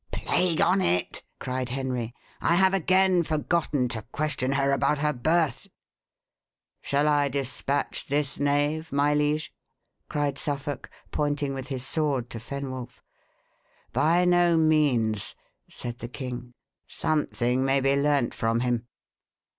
"Plague on it!" cried Henry, "I have again forgotten to question her about her birth." "Shall I despatch this knave, my liege?" cried Suffolk, pointing with his sword to Fenwolf. "By no means," said the king; "something may be learnt from him.